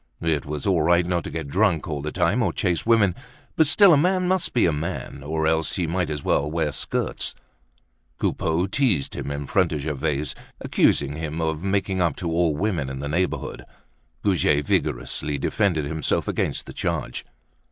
It was all right not to get drunk all the time or chase women, but still, a man must be a man, or else he might as well wear skirts. Coupeau teased him in front of Gervaise, accusing him of making up to all the women in the neighborhood. Goujet vigorously defended himself against the charge.